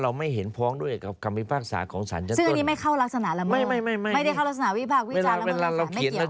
เราไม่เห็นพ้องด้วยกับคำพิพากษาของสารชั้นต้น